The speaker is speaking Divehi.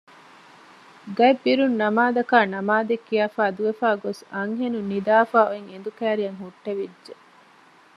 ގަތްބިރުން ނަމާދަކާ ނަމާދެއް ކިޔާފައި ދުވެފައި ގޮސް އަންހެނުން ނިދާފައި އޮތް އެނދު ކައިރިއަށް ހުއްޓެވިއްޖެ